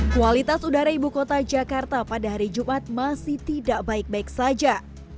kualitas udara ibu kota jakarta pada hari jumat masih tidak baik baik saja